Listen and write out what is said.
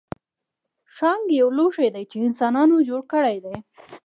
ښانک یو لوښی دی چې انسانانو جوړ کړی دی